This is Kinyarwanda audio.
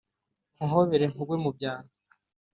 Nguhobere nkugwe mu byano